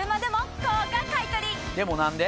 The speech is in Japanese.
でも何で？